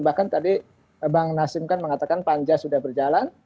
bahkan tadi bang nasim kan mengatakan panja sudah berjalan